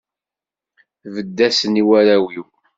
Tbedd-asen i warraw-iw.